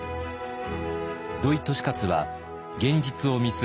土井利勝は現実を見据え